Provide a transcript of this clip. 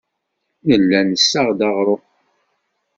Nella nessaɣ-d aɣrum.